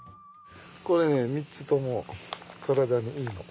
これね３つとも体にいいの。